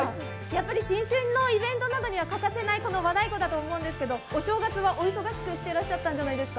新春のイベントなどには欠かせない和太鼓だと思うんですけど、お正月はお忙しくしていらっしゃったんじゃないですか？